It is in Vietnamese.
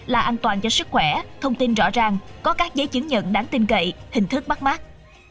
là an toàn cho sức khỏe thông tin rõ ràng có các giấy chứng nhận đáng tin cậy hình thức bắt mắt